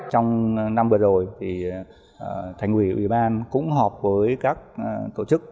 trong năm vừa rồi thì thành ủy ủy ban cũng họp với các tổ chức